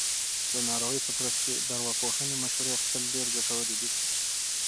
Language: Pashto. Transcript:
د ناروغۍ په ترڅ کې د ارواپوهنې مشورې اخیستل ډېر ګټور دي.